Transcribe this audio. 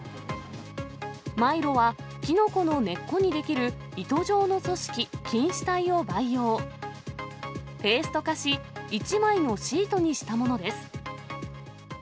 マイロは、キノコの根っこに出来る糸状の組織、菌糸体を培養、ペースト化し、１枚のシートにしたものです。